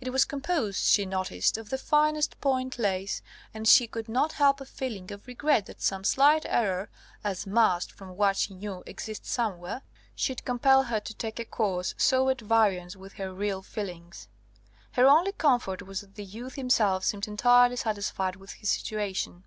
It was composed, she noticed, of the finest point lace; and she could not help a feeling of regret that some slight error as must, from what she knew, exist somewhere should compel her to take a course so at variance with her real feelings. Her only comfort was that the youth himself seemed entirely satisfied with his situation.